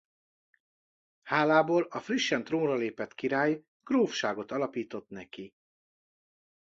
Hálából a frissen trónra lépett király grófságot alapított neki.